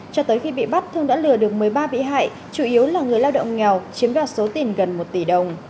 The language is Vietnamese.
cho tới khi bị bắt thương đã lừa được một mươi ba bị hại chủ yếu là người lao động nghèo chiếm đoạt số tiền gần một tỷ đồng